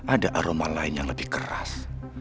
ada aroma lain yang lebih keras